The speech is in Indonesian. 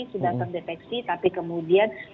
sudah terdeteksi tapi kemudian